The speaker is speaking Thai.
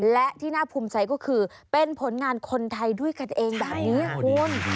และที่น่าภูมิใจก็คือเป็นผลงานคนไทยด้วยกันเองแบบนี้คุณ